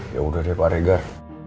ya udah saya pak regar